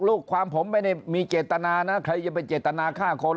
ลูกความผมไม่ได้มีเจตนานะใครจะไปเจตนาฆ่าคน